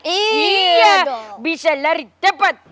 iya bisa lari cepat